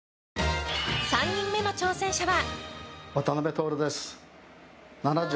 ３人目の挑戦者は。